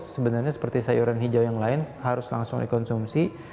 sebenarnya seperti sayuran hijau yang lain harus langsung dikonsumsi